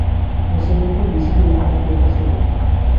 Você mesmo disse que ele não confia facilmente.